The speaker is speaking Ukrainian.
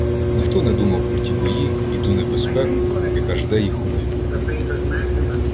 Ніхто не думав про ті бої і ту небезпеку, яка жде їх у майбутньому.